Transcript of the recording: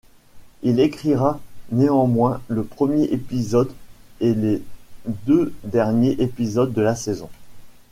Il écrira néanmoins le premier épisode et les deux derniers épisodes de la saison.